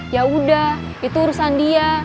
yaudah itu urusan dia